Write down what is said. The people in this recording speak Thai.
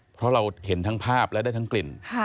เพราะเราเห็นทั้งภาพและได้ทั้งกลิ่น